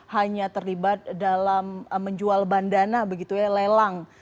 hanya terlibat dalam menjual bandana begitu ya lelang